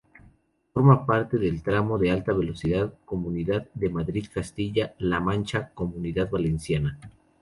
Forma parte del tramo de alta velocidad Comunidad de Madrid-Castilla la Mancha-Comunidad Valenciana.